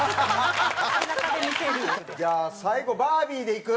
じゃあ最後バービーでいく？